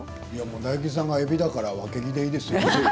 大吉さんがえびだからわけぎでいいですよ。